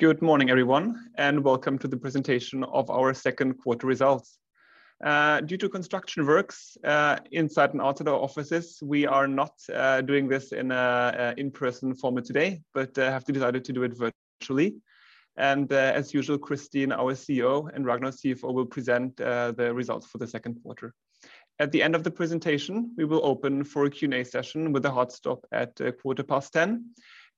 Good morning, everyone, and welcome to the presentation of our second quarter results. Due to construction works inside and out of our offices, we are not doing this in an in-person format today but have decided to do it virtually. As usual, Kristin, our CEO, and Ragnar, CFO, will present the results for the second quarter. At the end of the presentation, we will open for a Q&A session with a hard stop at 10:15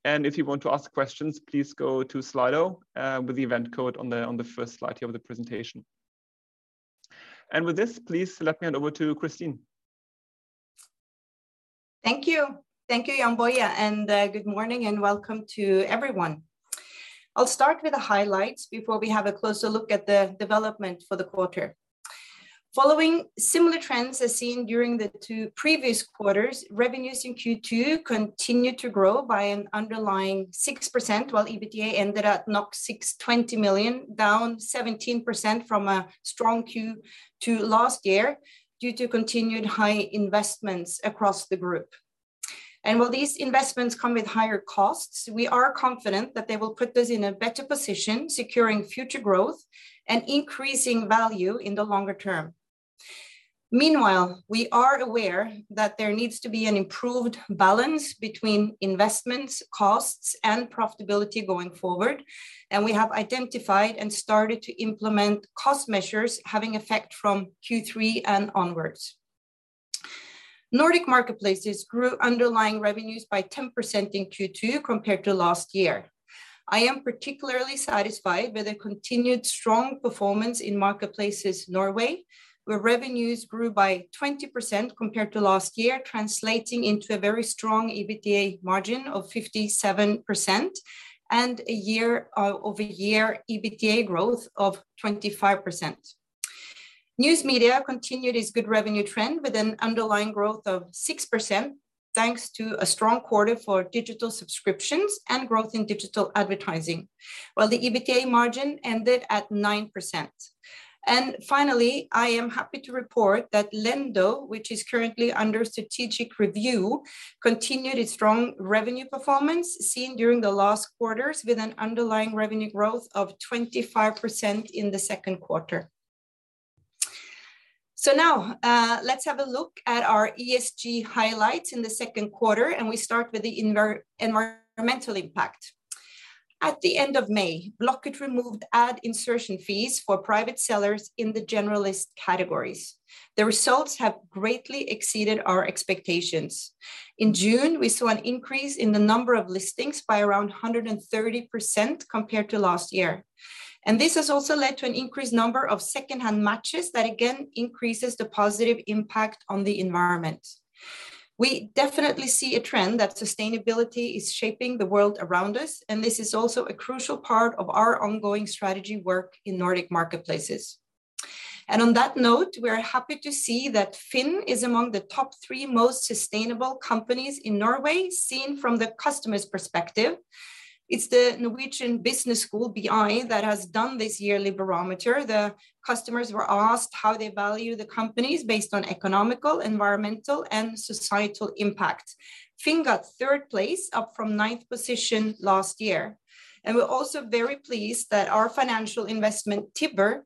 A.M. If you want to ask questions, please go to Slido with the event code on the first slide here of the presentation. With this, please let me hand over to Kristin. Thank you. Thank you, Jann-Boje, and, good morning and welcome to everyone. I'll start with the highlights before we have a closer look at the development for the quarter. Following similar trends as seen during the two previous quarters, revenues in Q2 continued to grow by an underlying 6%, while EBITDA ended at 620 million, down 17% from a strong Q2 last year due to continued high investments across the group. While these investments come with higher costs, we are confident that they will put us in a better position, securing future growth and increasing value in the longer-term. Meanwhile, we are aware that there needs to be an improved balance between investments, costs, and profitability going forward, and we have identified and started to implement cost measures having effect from Q3 and onwards. Nordic Marketplaces grew underlying revenues by 10% in Q2 compared to last year. I am particularly satisfied with the continued strong performance in Marketplaces Norway, where revenues grew by 20% compared to last year, translating into a very strong EBITDA margin of 57% and a year-over-year EBITDA growth of 25%. News Media continued its good revenue trend with an underlying growth of 6%, thanks to a strong quarter for digital subscriptions and growth in digital advertising, while the EBITDA margin ended at 9%. Finally, I am happy to report that Lendo, which is currently under strategic review, continued its strong revenue performance seen during the last quarters with an underlying revenue growth of 25% in the second quarter. Now, let's have a look at our ESG highlights in the second quarter, and we start with the environmental impact. At the end of May, Blocket removed ad insertion fees for private sellers in the generalist categories. The results have greatly exceeded our expectations. In June, we saw an increase in the number of listings by around 130% compared to last year. This has also led to an increased number of secondhand matches that, again, increases the positive impact on the environment. We definitely see a trend that sustainability is shaping the world around us, and this is also a crucial part of our ongoing strategy work in Nordic Marketplaces. On that note, we are happy to see that FINN is among the top three most sustainable companies in Norway, seen from the customer's perspective. It's the Norwegian Business School, BI, that has done this yearly barometer. The customers were asked how they value the companies based on economic, environmental, and societal impact. FINN got third place, up from ninth position last year. We're also very pleased that our financial investment, Tibber,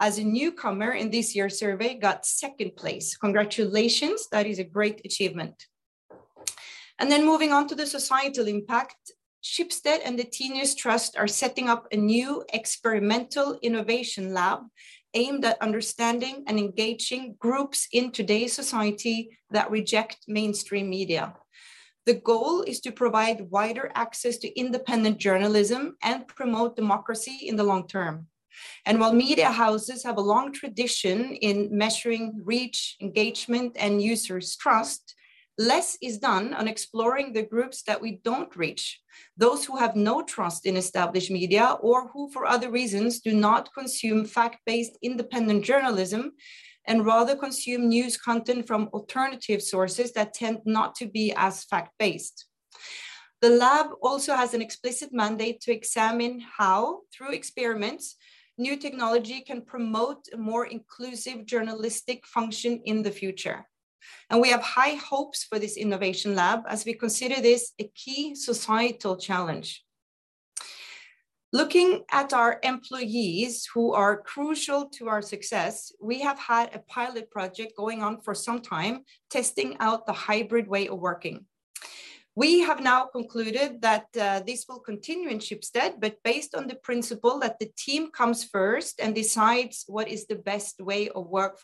as a newcomer in this year's survey, got second place. Congratulations. That is a great achievement. Then moving on to the societal impact, Schibsted and the Tinius Trust are setting up a new experimental innovation lab aimed at understanding and engaging groups in today's society that reject mainstream media. The goal is to provide wider access to independent journalism and promote democracy in the long-term. While media houses have a long tradition in measuring reach, engagement, and users' trust, less is done on exploring the groups that we don't reach, those who have no trust in established media or who, for other reasons, do not consume fact-based, independent journalism and rather consume news content from alternative sources that tend not to be as fact-based. The lab also has an explicit mandate to examine how, through experiments, new technology can promote a more inclusive journalistic function in the future. We have high hopes for this innovation lab, as we consider this a key societal challenge. Looking at our employees, who are crucial to our success, we have had a pilot project going on for some time, testing out the hybrid way of working. We have now concluded that this will continue in Schibsted but based on the principle that the team comes first and decides what is the best way of work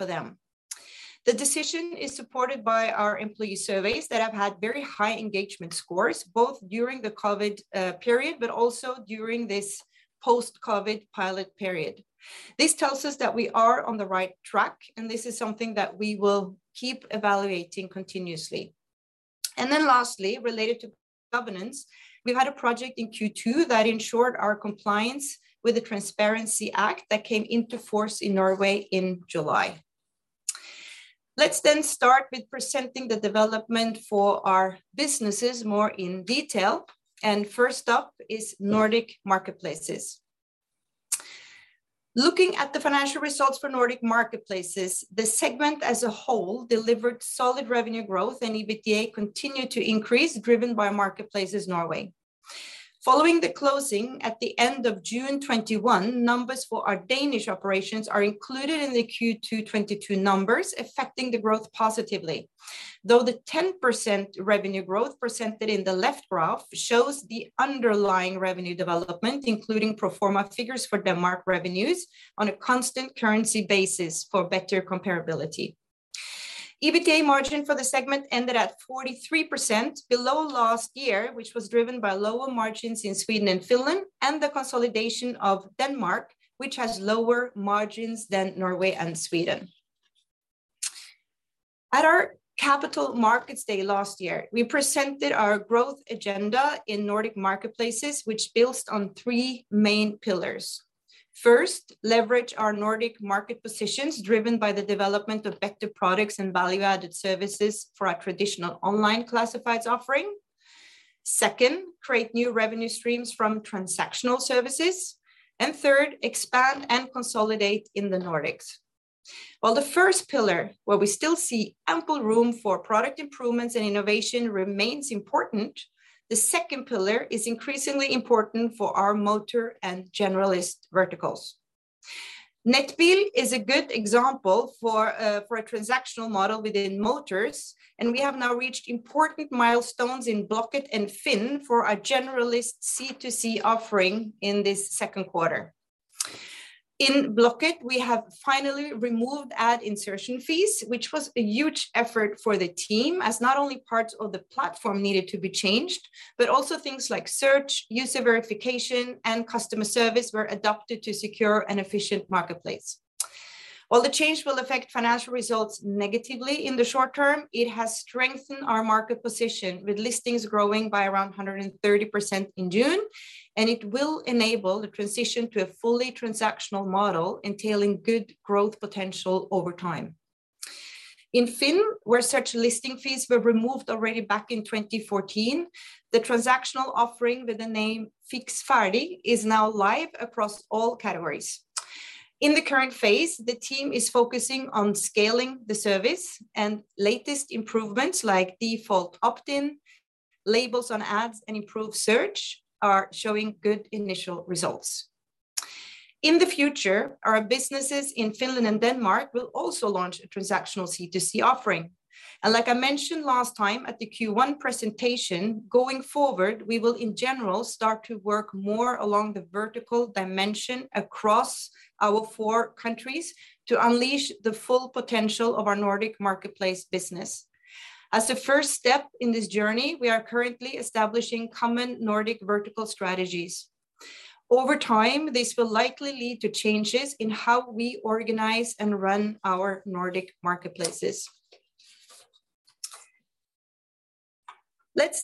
for them. The decision is supported by our employee surveys that have had very high engagement scores, both during the COVID period but also during this post-COVID pilot period. This tells us that we are on the right track, and this is something that we will keep evaluating continuously. Lastly, related to governance, we've had a project in Q2 that ensured our compliance with the Transparency Act that came into force in Norway in July. Let's then start with presenting the development for our businesses more in detail, and first up is Nordic Marketplaces. Looking at the financial results for Nordic Marketplaces, the segment as a whole delivered solid revenue growth and EBITDA continued to increase, driven by Marketplaces Norway. Following the closing at the end of June 2021, numbers for our Danish operations are included in the Q2 2022 numbers, affecting the growth positively. Though the 10% revenue growth presented in the left graph shows the underlying revenue development, including pro forma figures for Denmark revenues on a constant currency basis for better comparability. EBITDA margin for the segment ended at 43%, below last year, which was driven by lower margins in Sweden and Finland and the consolidation of Denmark, which has lower margins than Norway and Sweden. At our Capital Markets Day last year, we presented our growth agenda in Nordic Marketplaces, which builds on three main pillars. First, leverage our Nordic market positions driven by the development of better products and value-added services for our traditional online classifieds offering. Second, create new revenue streams from transactional services. Third, expand and consolidate in the Nordics. While the first pillar, where we still see ample room for product improvements and innovation, remains important, the second pillar is increasingly important for our motor and generalist verticals. Nettbil is a good example for a transactional model within motors, and we have now reached important milestones in Blocket and FINN for our generalist C2C offering in this second quarter. In Blocket, we have finally removed ad insertion fees, which was a huge effort for the team, as not only parts of the platform needed to be changed, but also things like search, user verification, and customer service were adapted to secure an efficient marketplace. While the change will affect financial results negatively in the short-term, it has strengthened our market position, with listings growing by around 130% in June, and it will enable the transition to a fully transactional model entailing good growth potential over time. In FINN, where such listing fees were removed already back in 2014, the transactional offering by the name Fiks ferdig is now live across all categories. In the current phase, the team is focusing on scaling the service, and latest improvements like default opt-in, labels on ads, and improved search are showing good initial results. In the future, our businesses in Finland and Denmark will also launch a transactional C2C offering. Like I mentioned last time at the Q1 presentation, going forward, we will in general start to work more along the vertical dimension across our four countries to unleash the full potential of our Nordic Marketplaces business. As a first step in this journey, we are currently establishing common Nordic vertical strategies. Over time, this will likely lead to changes in how we organize and run our Nordic Marketplaces. Let's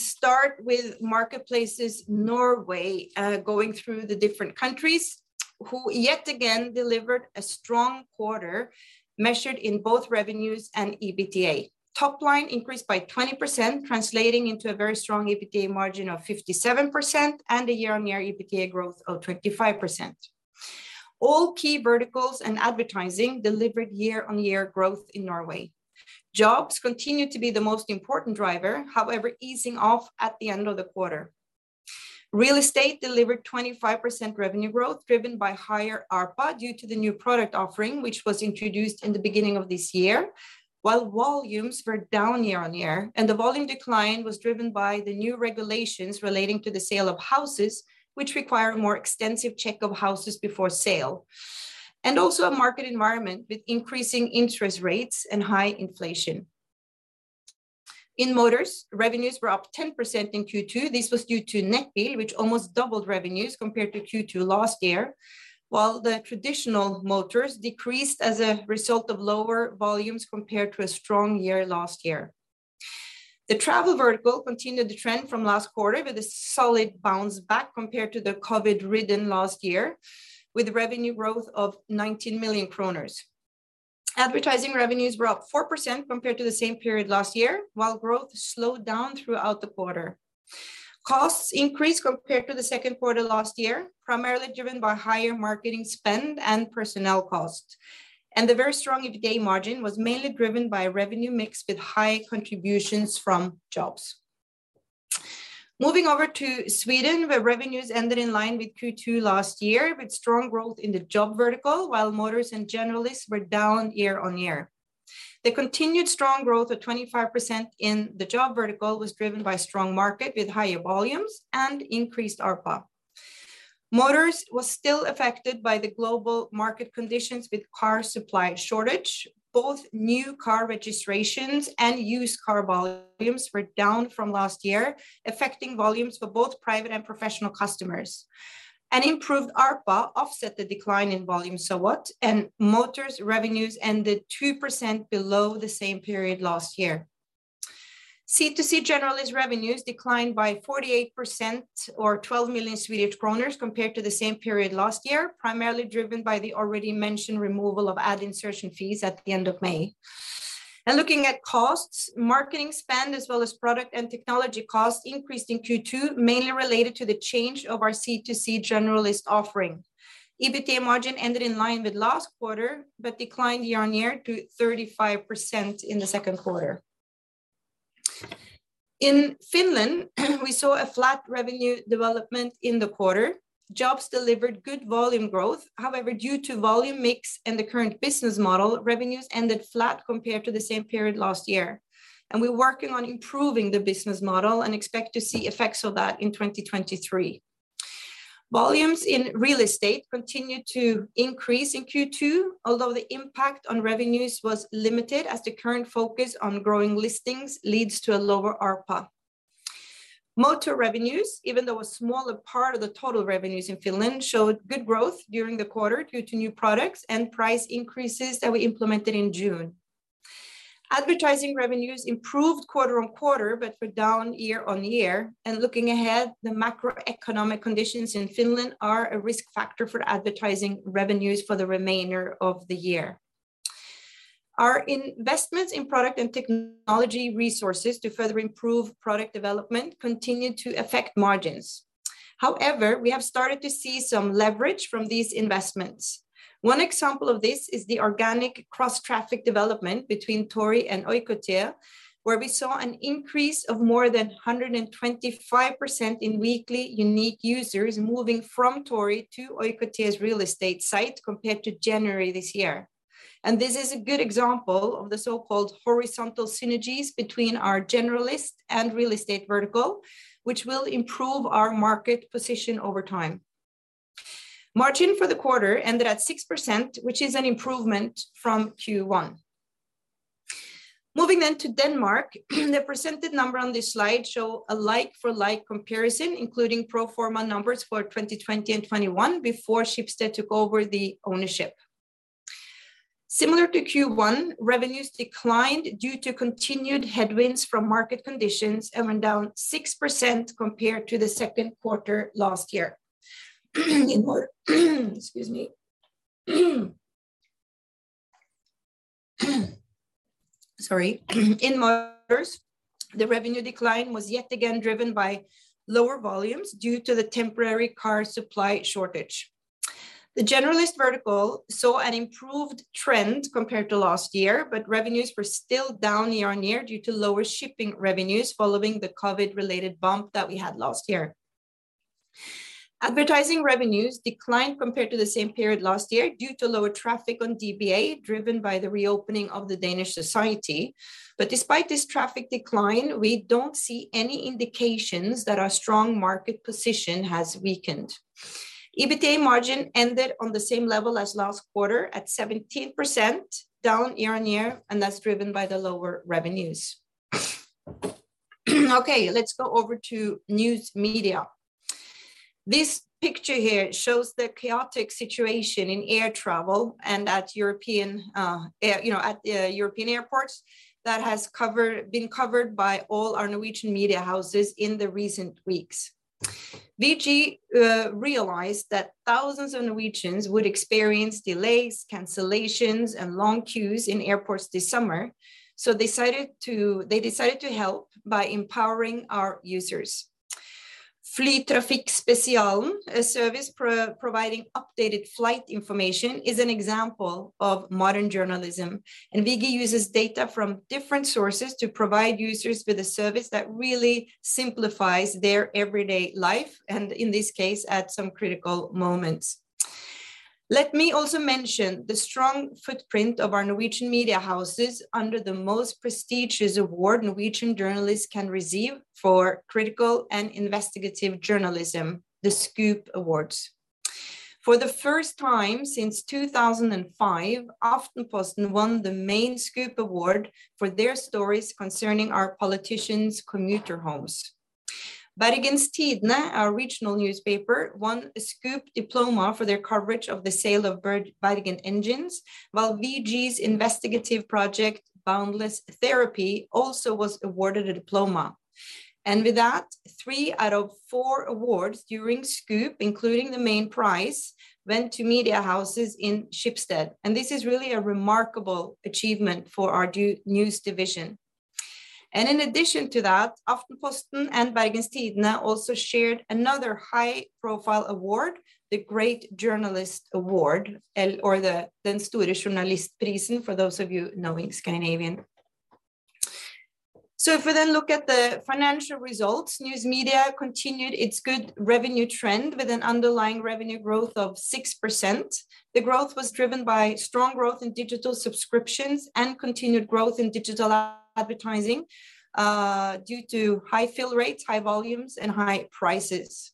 start with Marketplaces Norway, going through the different countries, who yet again delivered a strong quarter measured in both revenues and EBITDA. Top line increased by 20%, translating into a very strong EBITDA margin of 57% and a year-on-year EBITDA growth of 25%. All key verticals and advertising delivered year-on-year growth in Norway. Jobs continued to be the most important driver, however, easing off at the end of the quarter. Real estate delivered 25% revenue growth driven by higher ARPA due to the new product offering, which was introduced in the beginning of this year, while volumes were down year on year, and the volume decline was driven by the new regulations relating to the sale of houses, which require more extensive check of houses before sale, and also a market environment with increasing interest rates and high inflation. In motors, revenues were up 10% in Q2. This was due to Nettbil, which almost doubled revenues compared to Q2 last year, while the traditional motors decreased as a result of lower volumes compared to a strong year last year. The travel vertical continued the trend from last quarter with a solid bounce back compared to the COVID-ridden last year, with revenue growth of 19 million kroner. Advertising revenues were up 4% compared to the same period last year, while growth slowed down throughout the quarter. Costs increased compared to the second quarter last year, primarily driven by higher marketing spend and personnel costs. The very strong EBITDA margin was mainly driven by revenue mix with high contributions from jobs. Moving over to Sweden, where revenues ended in line with Q2 last year, with strong growth in the job vertical, while motors and generalists were down year-over-year. The continued strong growth of 25% in the job vertical was driven by strong market with higher volumes and increased ARPA. Motors was still affected by the global market conditions with car supply shortage. Both new car registrations and used car volumes were down from last year, affecting volumes for both private and professional customers. An improved ARPA offset the decline in volume somewhat, and motors revenues ended 2% below the same period last year. C2C generalist revenues declined by 48% or 12 million Swedish kronor compared to the same period last year, primarily driven by the already mentioned removal of ad insertion fees at the end of May. Looking at costs, marketing spend as well as product and technology costs increased in Q2, mainly related to the change of our C2C generalist offering. EBITDA margin ended in line with last quarter, but declined year-on-year to 35% in the second quarter. In Finland, we saw a flat revenue development in the quarter. Jobs delivered good volume growth. However, due to volume mix and the current business model, revenues ended flat compared to the same period last year. We're working on improving the business model and expect to see effects of that in 2023. Volumes in real estate continued to increase in Q2, although the impact on revenues was limited as the current focus on growing listings leads to a lower ARPA. Motor revenues, even though a smaller part of the total revenues in Finland, showed good growth during the quarter due to new products and price increases that we implemented in June. Advertising revenues improved quarter on quarter, but were down year on year. Looking ahead, the macroeconomic conditions in Finland are a risk factor for advertising revenues for the remainder of the year. Our investments in product and technology resources to further improve product development continued to affect margins. However, we have started to see some leverage from these investments. One example of this is the organic cross-traffic development between Tori and Oikotie, where we saw an increase of more than 125% in weekly unique users moving from Tori to Oikotie's real estate site compared to January this year. This is a good example of the so-called horizontal synergies between our generalist and real estate vertical, which will improve our market position over time. Margin for the quarter ended at 6%, which is an improvement from Q1. Moving then to Denmark, the presented number on this slide show a like for like comparison, including pro forma numbers for 2020 and 2021 before Schibsted took over the ownership. Similar to Q1, revenues declined due to continued headwinds from market conditions and went down 6% compared to the second quarter last year. Excuse me. Sorry. In Motors, the revenue decline was yet again driven by lower volumes due to the temporary car supply shortage. The generalist vertical saw an improved trend compared to last year, but revenues were still down year-on-year due to lower shipping revenues following the COVID-related bump that we had last year. Advertising revenues declined compared to the same period last year due to lower traffic on DBA, driven by the reopening of the Danish society. Despite this traffic decline, we don't see any indications that our strong market position has weakened. EBITDA margin ended on the same level as last quarter, at 17%, down year-on-year, and that's driven by the lower revenues. Okay, let's go over to News Media. This picture here shows the chaotic situation in air travel and at European airports that has been covered by all our Norwegian media houses in the recent weeks. VG realized that thousands of Norwegians would experience delays, cancellations, and long queues in airports this summer, so they decided to help by empowering our users. Flight Information Service, a service providing updated flight information, is an example of modern journalism, and VG uses data from different sources to provide users with a service that really simplifies their everyday life and in this case, at some critical moments. Let me also mention the strong footprint of our Norwegian media houses under the most prestigious award Norwegian journalists can receive for critical and investigative journalism, the SKUP Awards. For the first time since 2005, Aftenposten won the main SKUP award for their stories concerning our politicians' commuter homes. Bergens Tidende, our regional newspaper, won a SKUP diploma for their coverage of the sale of Bergen Engines, while VG's investigative project, Grenseløs terapi, also was awarded a diploma. With that, three out of four awards during SKUP, including the main prize, went to media houses in Schibsted, and this is really a remarkable achievement for our news division. In addition to that, Aftenposten and Bergens Tidende also shared another high-profile award, the Great Journalist Award, or the Den store journalistprisen for those of you knowing Scandinavian. If we then look at the financial results, News Media continued its good revenue trend with an underlying revenue growth of 6%. The growth was driven by strong growth in digital subscriptions and continued growth in digital advertising, due to high fill rates, high volumes, and high prices.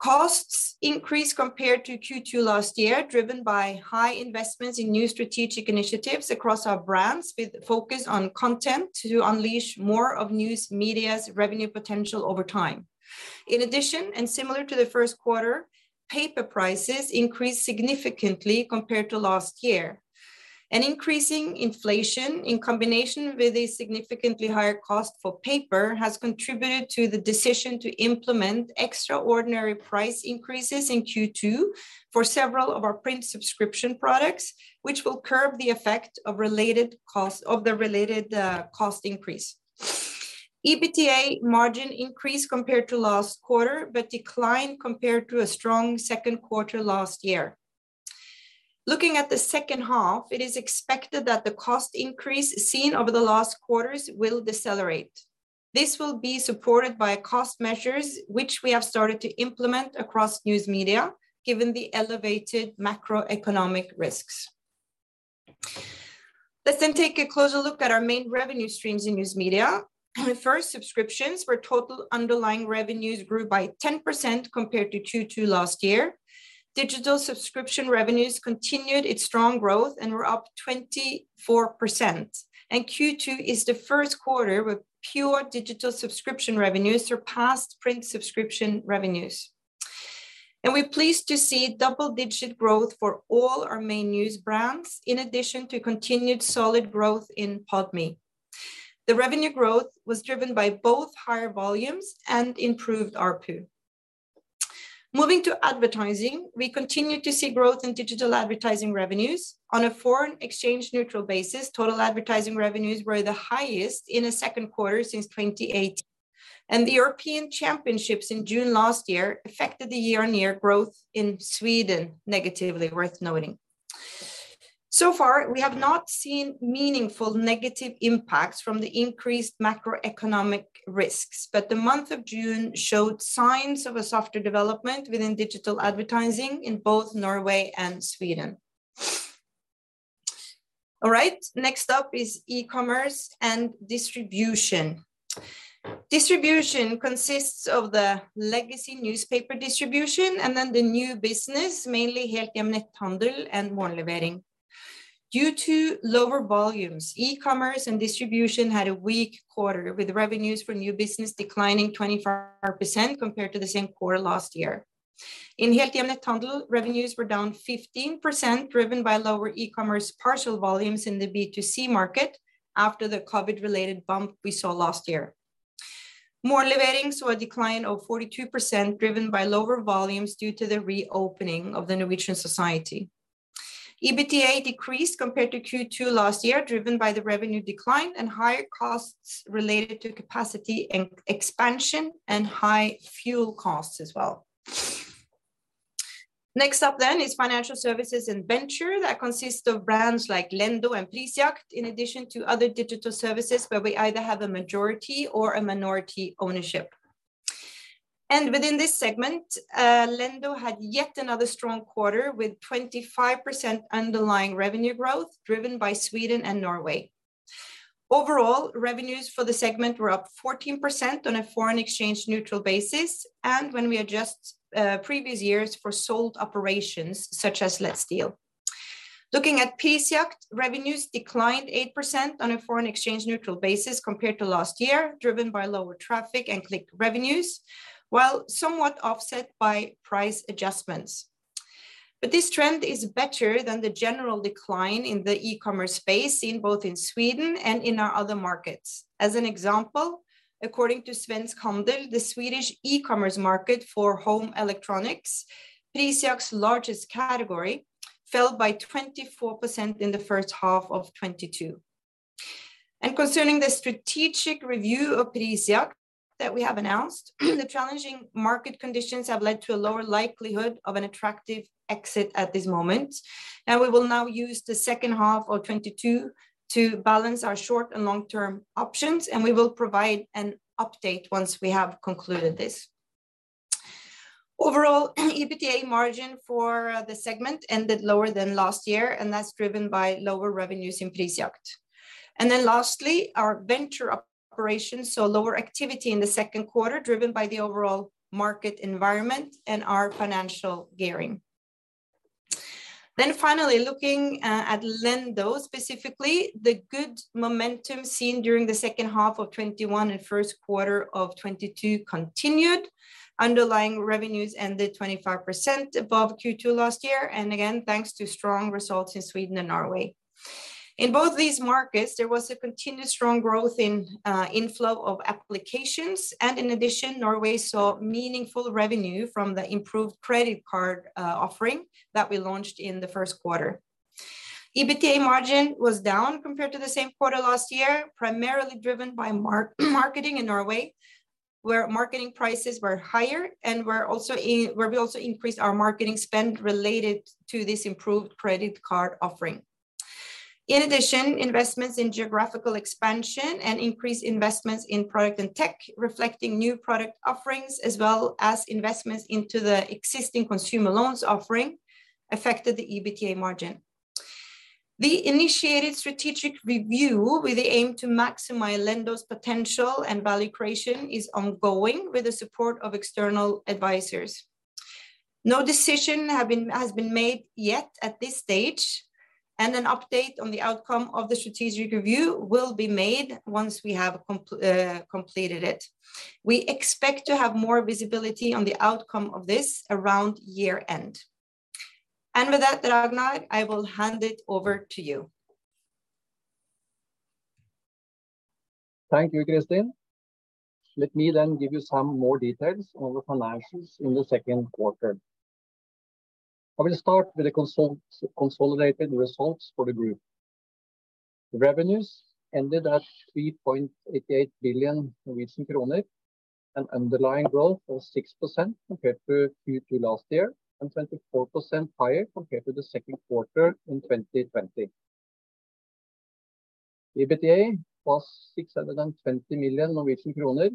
Costs increased compared to Q2 last year, driven by high investments in new strategic initiatives across our brands with focus on content to unleash more of News Media's revenue potential over time. In addition, and similar to the first quarter, paper prices increased significantly compared to last year. An increasing inflation in combination with a significantly higher cost for paper has contributed to the decision to implement extraordinary price increases in Q2 for several of our print subscription products, which will curb the effect of the related cost increase. EBITDA margin increased compared to last quarter, but declined compared to a strong second quarter last year. Looking at the second half, it is expected that the cost increase seen over the last quarters will decelerate. This will be supported by cost measures, which we have started to implement across News Media, given the elevated macroeconomic risks. Let's take a closer look at our main revenue streams in News Media. First, subscriptions, where total underlying revenues grew by 10% compared to Q2 last year. Digital subscription revenues continued its strong growth and were up 24%. Q2 is the first quarter where pure digital subscription revenues surpassed print subscription revenues. We're pleased to see double-digit growth for all our main news brands, in addition to continued solid growth in Podme. The revenue growth was driven by both higher volumes and improved ARPU. Moving to advertising, we continue to see growth in digital advertising revenues. On a foreign exchange neutral basis, total advertising revenues were the highest in a second quarter since 2018. The European Championships in June last year affected the year-on-year growth in Sweden negatively, worth noting. So far, we have not seen meaningful negative impacts from the increased macroeconomic risks, but the month of June showed signs of a softer development within digital advertising in both Norway and Sweden. All right, next up is Ecommerce & Distribution. Distribution consists of the legacy newspaper distribution and then the new business, mainly Helthjem Netthandel and Morgenlevering. Due to lower volumes, Ecommerce & Distribution had a weak quarter, with revenues for new business declining 24% compared to the same quarter last year. In Helthjem Netthandel, revenues were down 15%, driven by lower e-commerce parcel volumes in the B2C market after the COVID-related bump we saw last year. Morgenlevering saw a decline of 42%, driven by lower volumes due to the reopening of the Norwegian society. EBITDA decreased compared to Q2 last year, driven by the revenue decline and higher costs related to capacity and expansion and high fuel costs as well. Next up is financial services and venture. That consists of brands like Lendo and Prisjakt, in addition to other digital services where we either have a majority or a minority ownership. Within this segment, Lendo had yet another strong quarter, with 25% underlying revenue growth, driven by Sweden and Norway. Overall, revenues for the segment were up 14% on a foreign exchange neutral basis, and when we adjust previous years for sold operations, such as Let's Deal. Looking at Prisjakt, revenues declined 8% on a foreign exchange neutral basis compared to last year, driven by lower traffic and click revenues, while somewhat offset by price adjustments. This trend is better than the general decline in the e-commerce space in both Sweden and in our other markets. As an example, according to Svensk Handel, the Swedish e-commerce market for home electronics, Prisjakt's largest category, fell by 24% in the first half of 2022. Concerning the strategic review of Prisjakt that we have announced, the challenging market conditions have led to a lower likelihood of an attractive exit at this moment. Now, we will use the second half of 2022 to balance our short and long-term options, and we will provide an update once we have concluded this. Overall, EBITDA margin for the segment ended lower than last year, and that's driven by lower revenues in Prisjakt. Lastly, our venture operations saw lower activity in the second quarter, driven by the overall market environment and our financial gearing. Finally, looking at Lendo specifically, the good momentum seen during the second half of 2021 and first quarter of 2022 continued. Underlying revenues ended 25% above Q2 last year, and again, thanks to strong results in Sweden and Norway. In both these markets, there was a continued strong growth in inflow of applications. In addition, Norway saw meaningful revenue from the improved credit card offering that we launched in the first quarter. EBITDA margin was down compared to the same quarter last year, primarily driven by marketing in Norway, where marketing prices were higher and were also in. where we also increased our marketing spend related to this improved credit card offering. In addition, investments in geographical expansion and increased investments in product and tech, reflecting new product offerings as well as investments into the existing consumer loans offering, affected the EBITDA margin. The initiated strategic review with the aim to maximize Lendo's potential and value creation is ongoing with the support of external advisors. No decision has been made yet at this stage, and an update on the outcome of the strategic review will be made once we have completed it. We expect to have more visibility on the outcome of this around year-end. With that, Ragnar, I will hand it over to you. Thank you, Kristin. Let me give you some more details on the financials in the second quarter. I will start with the consolidated results for the group. Revenues ended at 3.88 billion Norwegian kroner. An underlying growth of 6% compared to Q2 last year, and 24% higher compared to the second quarter in 2020. EBITDA was 620 million Norwegian kroner,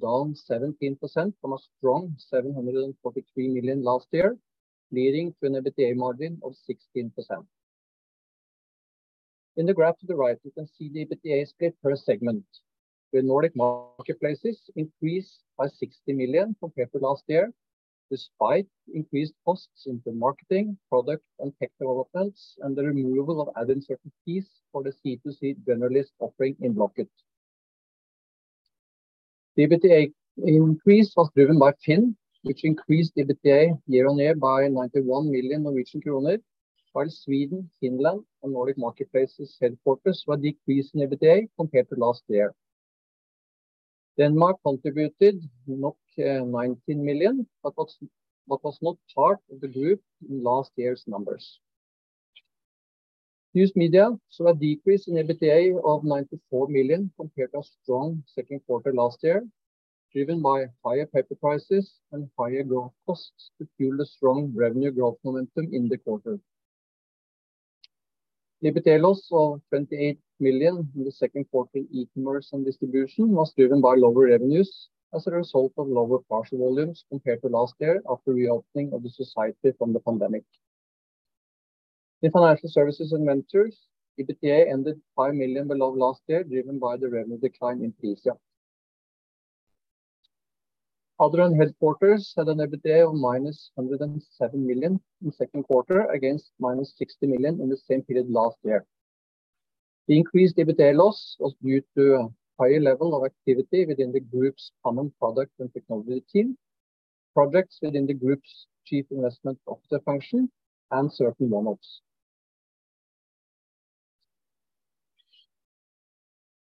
down 17% from a strong 743 million last year, leading to an EBITDA margin of 16%. In the graph to the right, you can see the EBITDA split per segment, with Nordic Marketplaces increased by 60 million compared to last year, despite increased costs into marketing, product and tech developments, and the removal of added certain fees for the C2C generalist offering in Blocket. The EBITDA increase was driven by FINN, which increased EBITDA year-on-year by 91 million Norwegian kroner, while Sweden, Finland and Nordic Marketplaces headquarters were decreases in EBITDA compared to last year. Denmark contributed NOK 19 million. That was not part of the group in last year's numbers. News Media saw a decrease in EBITDA of 94 million compared to a strong second quarter last year, driven by higher paper prices and higher growth costs to fuel the strong revenue growth momentum in the quarter. EBITDA loss of 28 million in the second quarter in Ecommerce & Distribution was driven by lower revenues as a result of lower parcel volumes compared to last year after reopening of the society from the pandemic. In Financial Services and Ventures, EBITDA ended 5 million below last year, driven by the revenue decline in Prisjakt. Other and Headquarters had an EBITDA of -107 million in the second quarter, against -60 million in the same period last year. The increased EBITDA loss was due to a higher level of activity within the group's common product and technology team, projects within the group's chief investment officer function, and certain one-offs.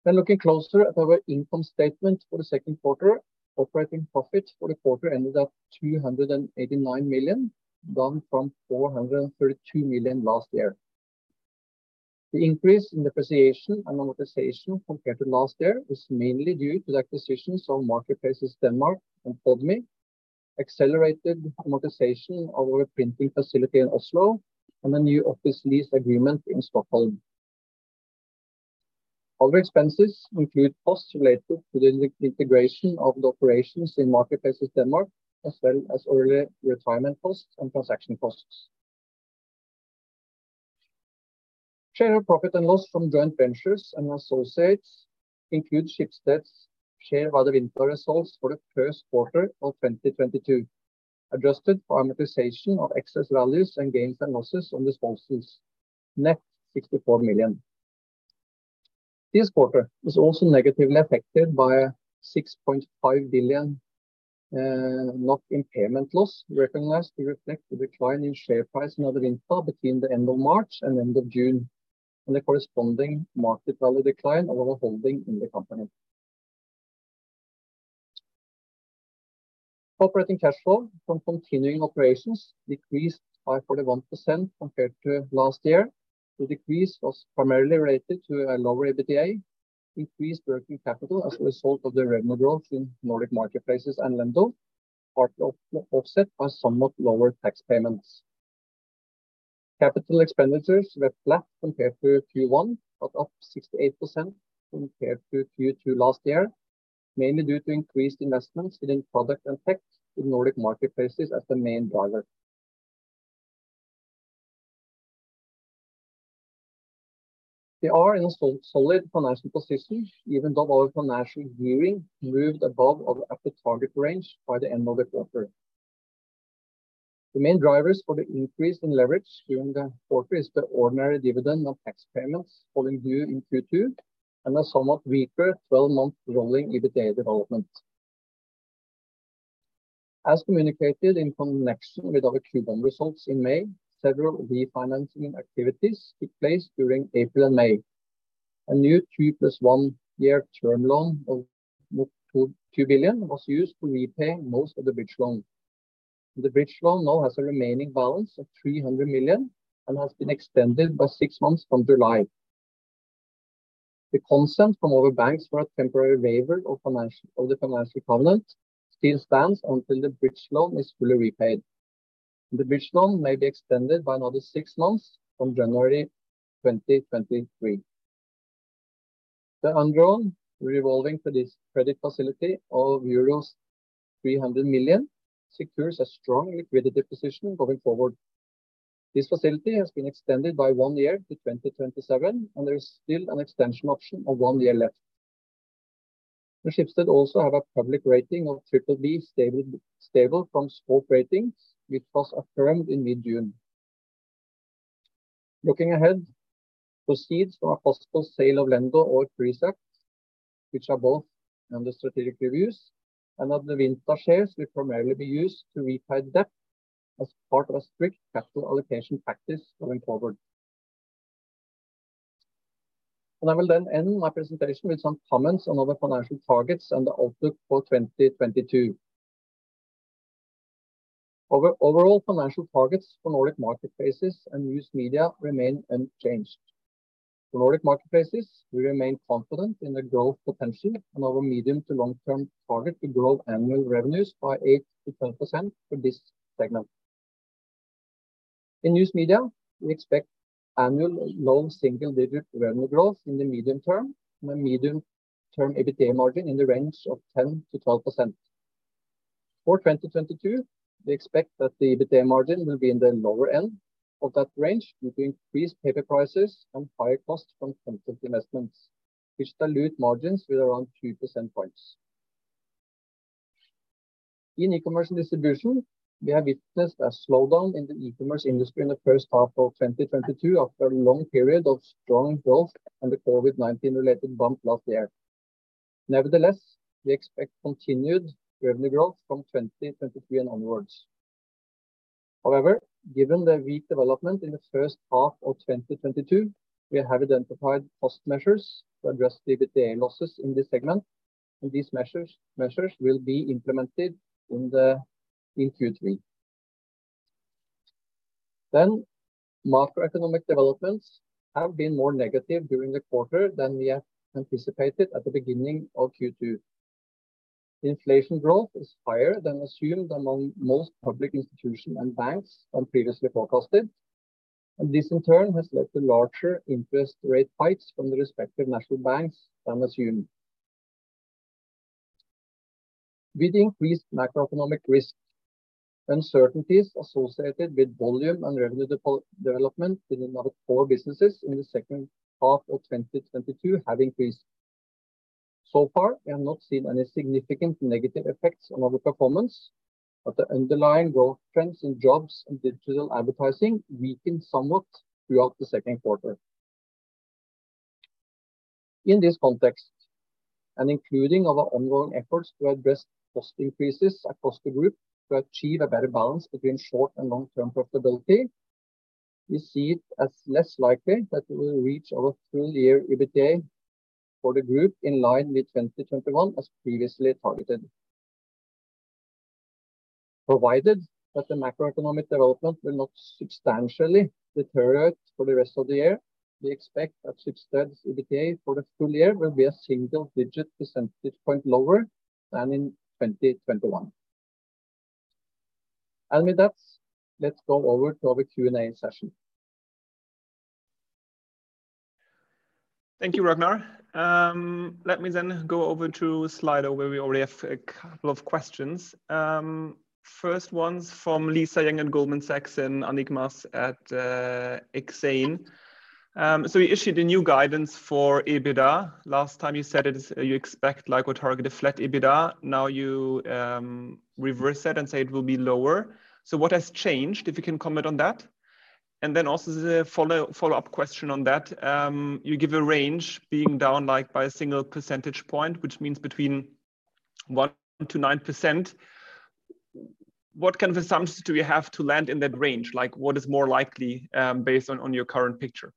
Looking closer at our income statement for the second quarter. Operating profit for the quarter ended at 289 million, down from 432 million last year. The increase in depreciation and amortization compared to last year was mainly due to the acquisitions of Marketplaces Denmark and Podme, accelerated amortization of our printing facility in Oslo, and a new office lease agreement in Stockholm. Other expenses include costs related to the integration of the operations in Marketplaces Denmark, as well as early retirement costs and transaction costs. Share of profit and loss from joint ventures and associates include Schibsted's share of Adevinta results for the first quarter of 2022, adjusted for amortization of excess values and gains and losses on disposals, net 64 million. This quarter was also negatively affected by a 6.5 billion impairment loss recognized to reflect the decline in share price in Adevinta between the end of March and end of June, and the corresponding market value decline of our holding in the company. Operating cash flow from continuing operations decreased by 41% compared to last year. The decrease was primarily related to a lower EBITDA, increased working capital as a result of the revenue growth in Nordic Marketplaces and Lendo, partly offset by somewhat lower tax payments. Capital expenditures were flat compared to Q1, but up 68% compared to Q2 last year, mainly due to increased investments within product and tech in Nordic Marketplaces as the main driver. We are in a solid financial position, even though our financial gearing moved above our upper target range by the end of the quarter. The main drivers for the increase in leverage during the quarter is the ordinary dividend on tax payments falling due in Q2 and a somewhat weaker 12-month rolling EBITDA development. As communicated in connection with our Q1 results in May, several refinancing activities took place during April and May. A new two plus one year term loan of 2 billion was used to repay most of the bridge loan. The bridge loan now has a remaining balance of 300 million and has been extended by six months from July. The consent from our banks for a temporary waiver of the financial covenant still stands until the bridge loan is fully repaid. The bridge loan may be extended by another six months from January 2023. The undrawn revolving for this credit facility of euros 300 million secures a strong liquidity position going forward. This facility has been extended by one year to 2027, and there is still an extension option of one year left. The Schibsted also have a public rating of BBB stable from Scope Ratings, which was affirmed in mid-June. Looking ahead, proceeds from a possible sale of Lendo or Prisjakt, which are both under strategic reviews, and Adevinta shares will primarily be used to repay debt as part of a strict capital allocation practice going forward. I will then end my presentation with some comments on other financial targets and the outlook for 2022. Our overall financial targets for Nordic Marketplaces and News Media remain unchanged. For Nordic Marketplaces, we remain confident in the growth potential and our medium to long-term target to grow annual revenues by 8%-10% for this segment. In News Media, we expect annual low single-digit revenue growth in the medium-term, and a medium-term EBITDA margin in the range of 10%-12%. For 2022, we expect that the EBITDA margin will be in the lower end of that range due to increased paper prices and higher costs from content investments, which dilute margins with around 2 percentage points. In Ecommerce & Distribution, we have witnessed a slowdown in the e-commerce industry in the first half of 2022 after a long period of strong growth and the COVID-19-related bump last year. Nevertheless, we expect continued revenue growth from 2023 and onwards. However, given the weak development in the first half of 2022, we have identified cost measures to address the EBITDA losses in this segment, and these measures will be implemented in Q3. Macroeconomic developments have been more negative during the quarter than we had anticipated at the beginning of Q2. Inflation growth is higher than assumed among most public institutions and banks than previously forecasted. This in turn has led to larger interest rate hikes from the respective national banks than assumed. With increased macroeconomic risk, uncertainties associated with volume and revenue development in our core businesses in the second half of 2022 have increased. So far, we have not seen any significant negative effects on our performance, but the underlying growth trends in jobs and digital advertising weakened somewhat throughout the second quarter. In this context, and including our ongoing efforts to address cost increases across the group to achieve a better balance between short and long-term profitability, we see it as less likely that we will reach our full-year EBITDA for the group in line with 2021 as previously targeted. Provided that the macroeconomic development will not substantially deteriorate for the rest of the year, we expect that Schibsted's EBITDA for the full year will be a single-digit percentage point lower than in 2021. With that, let's go over to our Q&A session. Thank you, Ragnar. Let me then go over to Slido, where we already have a couple of questions. First one's from Lisa Yang at Goldman Sachs and Annick Maas at Exane. You issued a new guidance for EBITDA. Last time you said you expect, like, or target a flat EBITDA. Now you reverse that and say it will be lower. What has changed, if you can comment on that? Then also as a follow-up question on that, you give a range being down, like, by a single percentage point, which means between 1%-9%. What kind of assumptions do we have to land in that range? Like, what is more likely based on your current picture?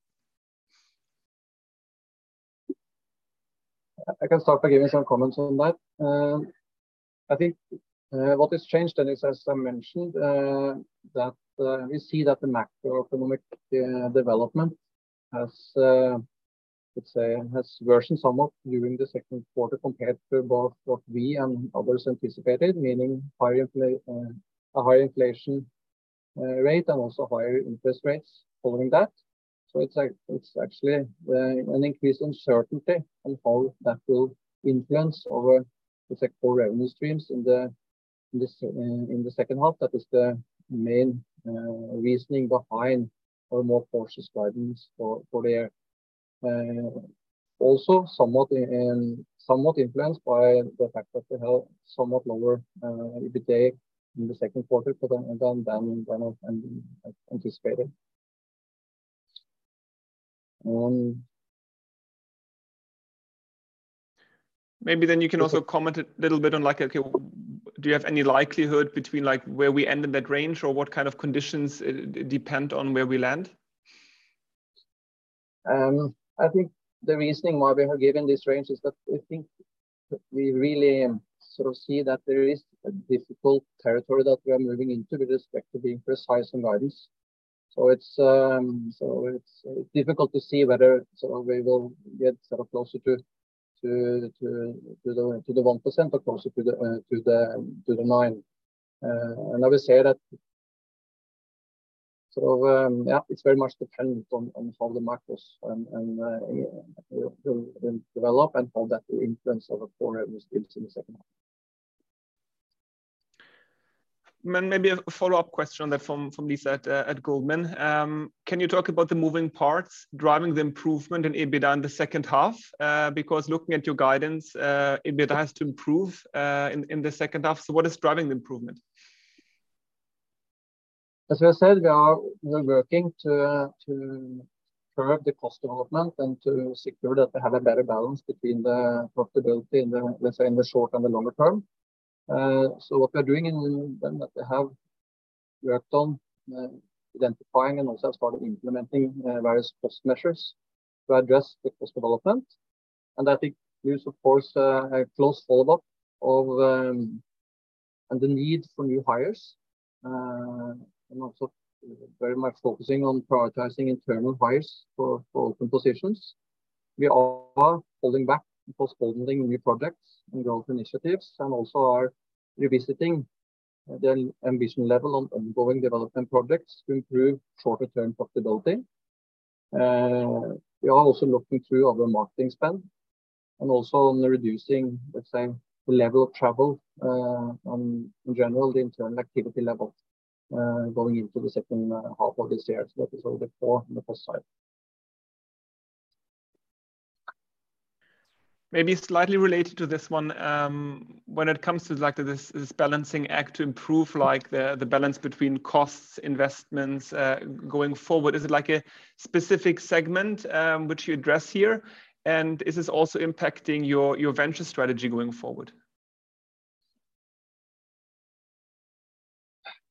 I can start by giving some comments on that. I think what has changed then is, as I mentioned, that we see that the macroeconomic development has, let's say, worsened somewhat during the second quarter compared to both what we and others anticipated, meaning a higher inflation rate and also higher interest rates following that. It's actually an increased uncertainty on how that will influence our core revenue streams in the second half. That is the main reasoning behind our more cautious guidance for the year. Also somewhat influenced by the fact that we have somewhat lower EBITDA in the second quarter than anticipated. Maybe you can also comment a little bit on, like, okay, do you have any likelihood between, like, where we end in that range, or what kind of conditions depend on where we land? I think the reasoning why we have given this range is that I think we really sort of see that there is a difficult territory that we are moving into with respect to being precise in guidance. It's difficult to see whether, sort of, we will get sort of closer to the 1% or closer to the 9%. Yeah, it's very much dependent on how the markets and will develop and how that will influence our core revenue streams in the second half. Maybe a follow-up question on that from Lisa at Goldman. Can you talk about the moving parts driving the improvement in EBITDA in the second half? Because looking at your guidance, EBITDA has to improve in the second half. What is driving the improvement? As I said, we are working to curb the cost development and to secure that we have a better balance between the profitability in the, let's say, in the short and the longer-term. What we are doing and then that we have worked on identifying and also started implementing various cost measures to address the cost development. I think we use, of course, a close follow-up of the need for new hires and also very much focusing on prioritizing internal hires for open positions. We are holding back, postponing new projects and growth initiatives and also are revisiting the ambition level on ongoing development projects to improve shorter-term profitability. We are also looking through other marketing spend and also on reducing, let's say, the level of travel, and in general, the internal activity level, going into the second half of this year. That is all the core on the first side. Maybe slightly related to this one, when it comes to like this balancing act to improve like the balance between costs, investments going forward, is it like a specific segment which you address here? Is this also impacting your venture strategy going forward?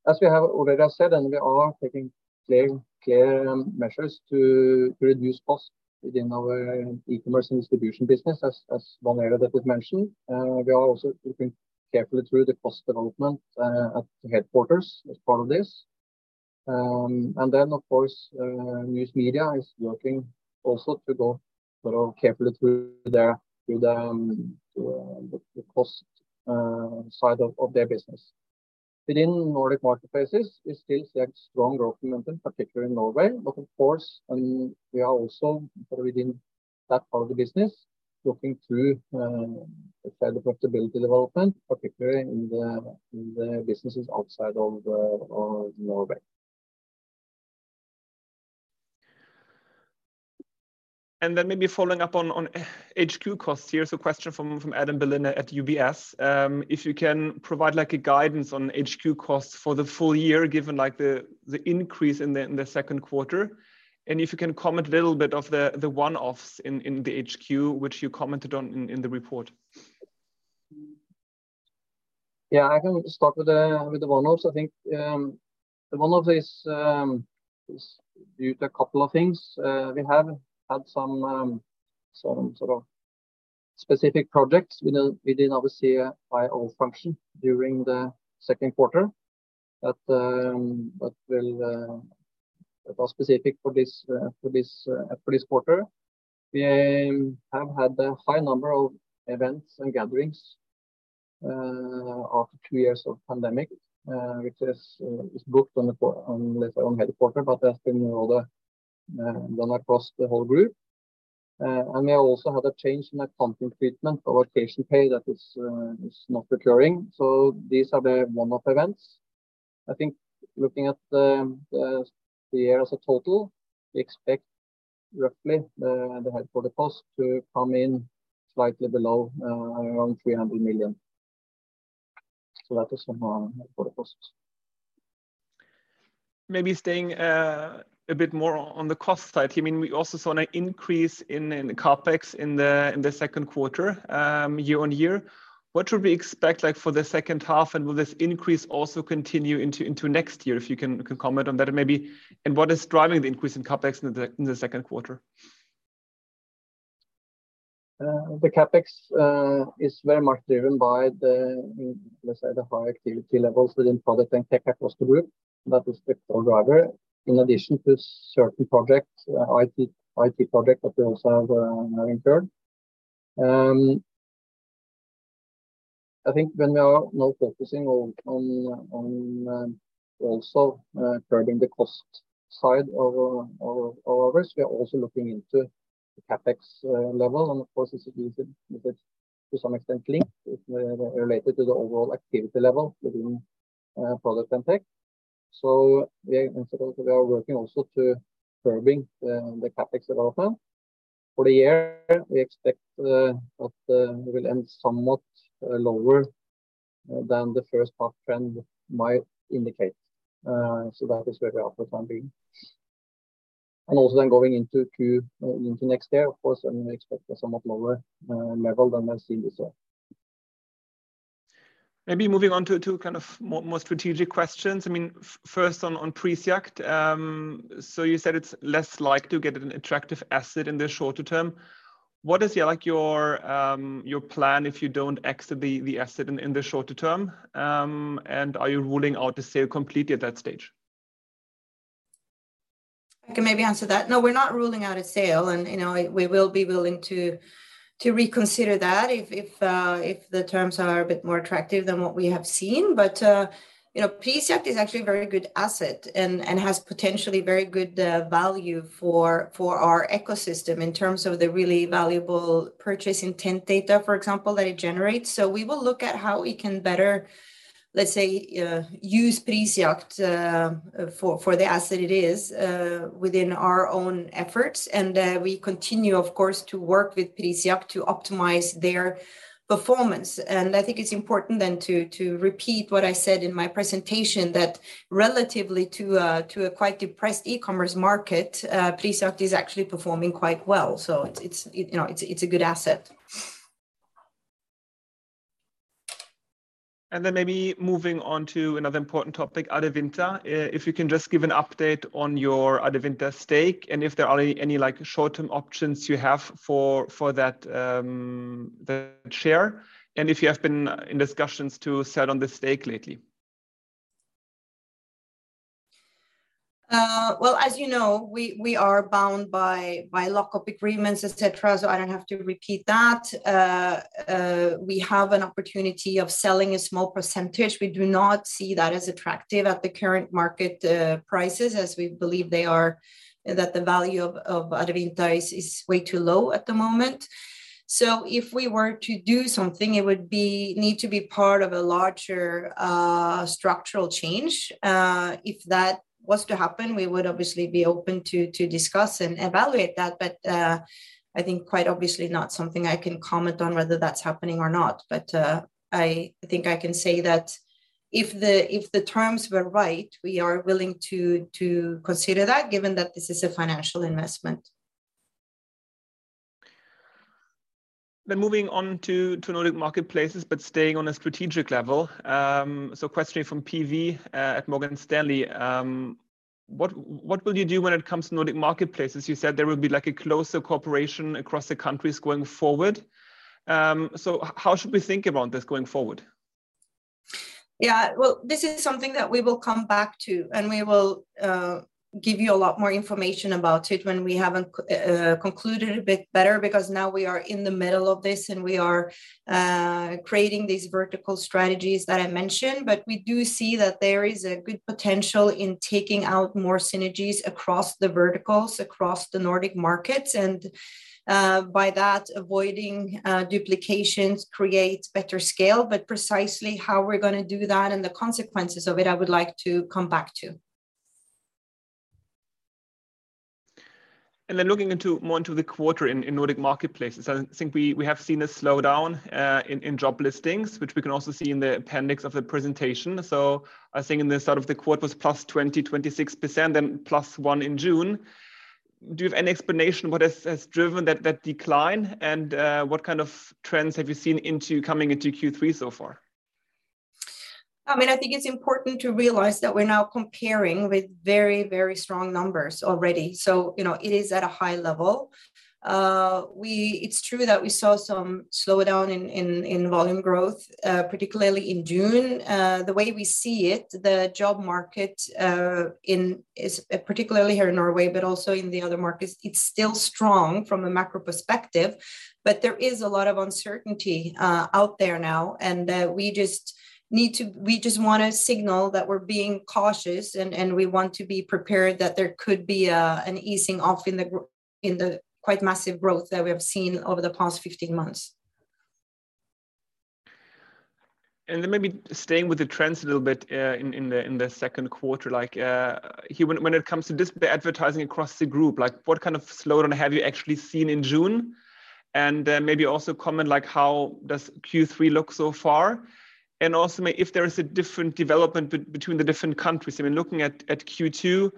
As we have already said, we are taking clear measures to reduce costs within our Ecommerce & Distribution business as one area that was mentioned. We are also looking carefully through the cost development at headquarters as part of this. News Media is working also to go sort of carefully through the cost side of their business. Within Nordic Marketplaces, we still see a strong growth momentum, particularly in Norway. But of course, I mean, we are also within that part of the business looking through the profitability development, particularly in the businesses outside of Norway. Then maybe following up on HQ costs here. Question from Adam Berlin at UBS. If you can provide like a guidance on HQ costs for the full year, given like the increase in the second quarter, and if you can comment a little bit on the one-offs in the HQ, which you commented on in the report. Yeah. I can start with the one-offs. I think the one-off is due to a couple of things. We have had some sort of specific projects within our CIO function during the second quarter that was specific for this quarter. We have had a high number of events and gatherings after two years of pandemic, which is booked on, let's say, headquarters, but that's been rather done across the whole group. We also had a change in accounting treatment of our vacation pay that is not recurring. These are the one-off events. I think looking at the year as a total, we expect roughly the headquarters cost to come in slightly below around 300 million. That is on our headquarters costs. Maybe staying a bit more on the cost side. I mean, we also saw an increase in CapEx in the second quarter year on year. What should we expect like for the second half? Will this increase also continue into next year? If you can comment on that maybe. What is driving the increase in CapEx in the second quarter? The CapEx is very much driven by, let's say, the high activity levels within product and tech across the group. That is the core driver. In addition to certain projects, IT project that we also have incurred. I think when we are now focusing on also curbing the cost side of our P&L, we are also looking into the CapEx level. Of course, this is to some extent linked, related to the overall activity level within product and tech. We are working also to curbing the CapEx development. For the year, we expect that we will end somewhat lower than the first half trend might indicate. That is where we are for the time being. Going into next year, of course, we expect a somewhat lower level than we've seen this year. Maybe moving on to kind of more strategic questions. I mean, first on Prisjakt. You said it's less likely to get an attractive asset in the shorter-term. What is your plan if you don't exit the asset in the shorter-term? Are you ruling out the sale completely at that stage? I can maybe answer that. No, we're not ruling out a sale. You know, we will be willing to reconsider that if the terms are a bit more attractive than what we have seen. You know, Prisjakt is actually a very good asset and has potentially very good value for our ecosystem in terms of the really valuable purchase intent data, for example, that it generates. We will look at how we can better, let's say, use Prisjakt for the asset it is within our own efforts. We continue, of course, to work with Prisjakt to optimize their performance. I think it's important then to repeat what I said in my presentation that relative to a quite depressed e-commerce market, Prisjakt is actually performing quite well. It's, you know, a good asset. Maybe moving on to another important topic, Adevinta. If you can just give an update on your Adevinta stake, and if there are any, like, short-term options you have for that share, and if you have been in discussions to sell on this stake lately. Well, as you know, we are bound by lock-up agreements, et cetera, so I don't have to repeat that. We have an opportunity of selling a small percentage. We do not see that as attractive at the current market prices, as we believe that the value of Adevinta is way too low at the moment. If we were to do something, it would need to be part of a larger structural change. If that was to happen, we would obviously be open to discuss and evaluate that. I think quite obviously not something I can comment on whether that's happening or not. I think I can say that if the terms were right, we are willing to consider that given that this is a financial investment. Moving on to Nordic Marketplaces, but staying on a strategic level. Question from PV at Morgan Stanley. What will you do when it comes to Nordic Marketplaces? You said there will be, like, a closer cooperation across the countries going forward. How should we think about this going forward? Yeah. Well, this is something that we will come back to, and we will give you a lot more information about it when we have concluded a bit better because now we are in the middle of this, and we are creating these vertical strategies that I mentioned. But we do see that there is a good potential in taking out more synergies across the verticals, across the Nordic markets, and by that, avoiding duplications, create better scale. But precisely how we're gonna do that and the consequences of it, I would like to come back to. Looking more into the quarter in Nordic Marketplaces, I think we have seen a slowdown in job listings, which we can also see in the appendix of the presentation. I think in the start of the quarter it was +26%, then +1% in June. Do you have any explanation what has driven that decline? What kind of trends have you seen coming into Q3 so far? I mean, I think it's important to realize that we're now comparing with very, very strong numbers already, so, you know, it is at a high level. It's true that we saw some slowdown in volume growth, particularly in June. The way we see it, the job market is particularly here in Norway, but also in the other markets, it's still strong from a macro perspective, but there is a lot of uncertainty out there now. We just wanna signal that we're being cautious, and we want to be prepared that there could be an easing off in the quite massive growth that we have seen over the past 15 months. Maybe staying with the trends a little bit in the second quarter. Like, here when it comes to the advertising across the group, like, what kind of slowdown have you actually seen in June? Maybe also comment, like, how does Q3 look so far? If there is a different development between the different countries. I mean, looking at Q2,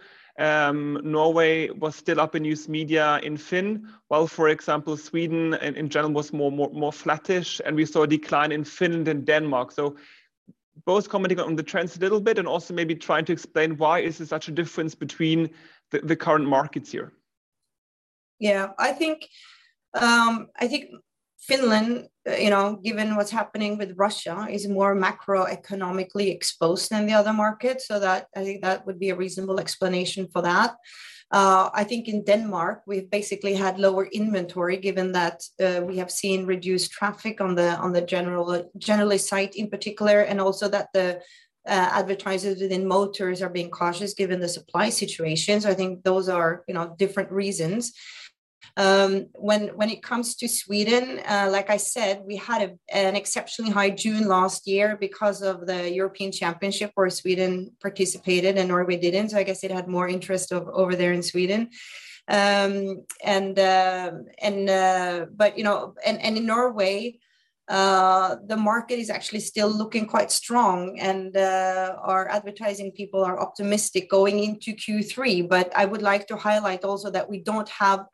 Norway was still up in News Media in FINN, while, for example, Sweden in general was more flattish, and we saw a decline in Finland and Denmark. Both commenting on the trends a little bit and also maybe trying to explain why is there such a difference between the current markets here. Yeah. I think Finland, you know, given what's happening with Russia, is more macroeconomically exposed than the other markets, so that I think that would be a reasonable explanation for that. I think in Denmark we've basically had lower inventory given that we have seen reduced traffic on the generalist site in particular, and also that the advertisers within motors are being cautious given the supply situation. I think those are, you know, different reasons. When it comes to Sweden, like I said, we had an exceptionally high June last year because of the European Championship where Sweden participated and Norway didn't. I guess it had more interest over there in Sweden. In Norway, the market is actually still looking quite strong, and our advertising people are optimistic going into Q3. I would like to highlight also that we don't have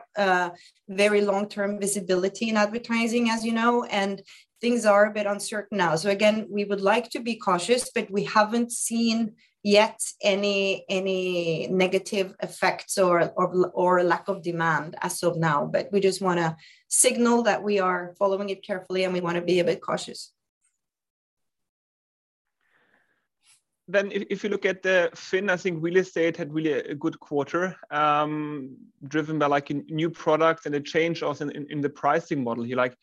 very long-term visibility in advertising, as you know, and things are a bit uncertain now. Again, we would like to be cautious, but we haven't seen yet any negative effects or lack of demand as of now. We just wanna signal that we are following it carefully, and we wanna be a bit cautious. If you look at the FINN, I think real estate had really a good quarter, driven by, like, a new product and a change also in the pricing model here. Like,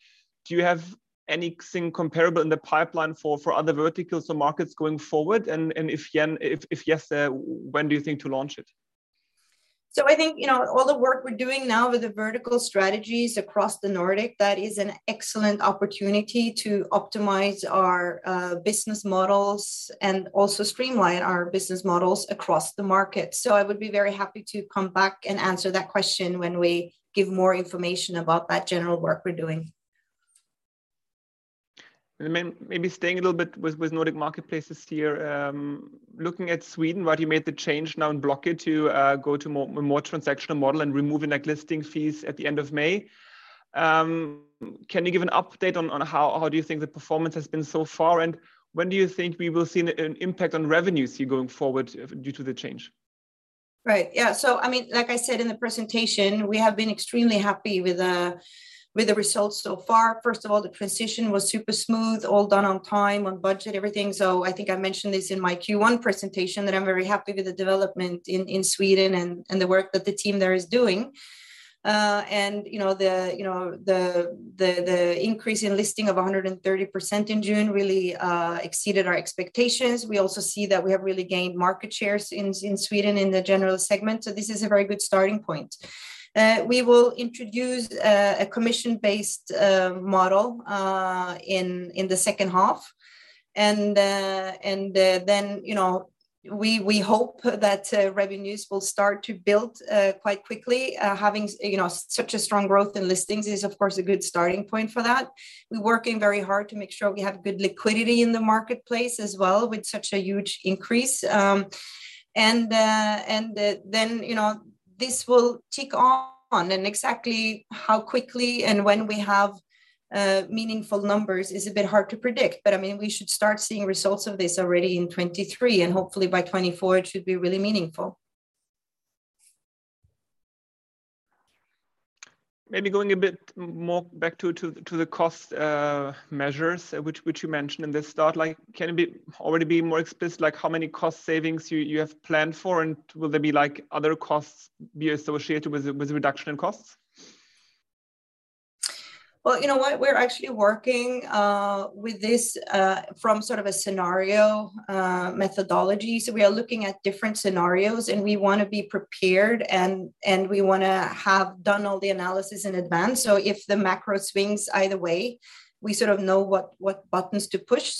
do you have anything comparable in the pipeline for other verticals or markets going forward? If yes, when do you think to launch it? I think, you know, all the work we're doing now with the vertical strategies across the Nordic, that is an excellent opportunity to optimize our business models and also streamline our business models across the market. I would be very happy to come back and answer that question when we give more information about that general work we're doing. Maybe staying a little bit with Nordic Marketplaces here. Looking at Sweden, right? You made the change now in Blocket to go to more transactional model and removing, like, listing fees at the end of May. Can you give an update on how do you think the performance has been so far, and when do you think we will see an impact on revenues here going forward due to the change? Right. Yeah. I mean, like I said in the presentation, we have been extremely happy with the results so far. First of all, the transition was super smooth, all done on time, on budget, everything. I think I mentioned this in my Q1 presentation, that I'm very happy with the development in Sweden and the work that the team there is doing. You know, the increase in listing of 130% in June really exceeded our expectations. We also see that we have really gained market shares in Sweden in the general segment, so this is a very good starting point. We will introduce a commission-based model in the second half, and then, you know, we hope that revenues will start to build quite quickly. Having, you know, such a strong growth in listings is of course a good starting point for that. We're working very hard to make sure we have good liquidity in the marketplace as well with such a huge increase. Then, you know, this will tick on, and exactly how quickly and when we have meaningful numbers is a bit hard to predict. I mean, we should start seeing results of this already in 2023, and hopefully by 2024 it should be really meaningful. Maybe going a bit more back to the cost measures which you mentioned in the start. Like, can you already be more explicit, like how many cost savings you have planned for, and will there be like other costs associated with the reduction in costs? Well, you know what? We're actually working with this from sort of a scenario methodology. We are looking at different scenarios, and we wanna be prepared, and we wanna have done all the analysis in advance, so if the macro swings either way, we sort of know what buttons to push.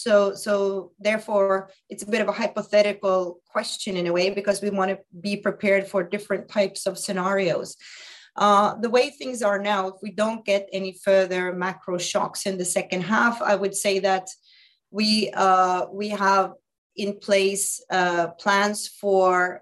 Therefore it's a bit of a hypothetical question in a way, because we wanna be prepared for different types of scenarios. The way things are now, if we don't get any further macro shocks in the second half, I would say that we have in place plans for